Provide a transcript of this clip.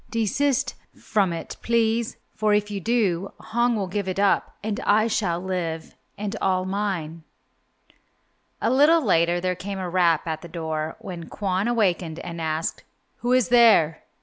Desist from it, please, for if you do, Hong will give it up and I shall live and all mine." A little later there came a rap at the door, when Kwon awakened and asked, "Who is there?"